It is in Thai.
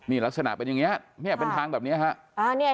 นี่ลักษณะเป็นอย่างนี้เป็นทางแบบนี้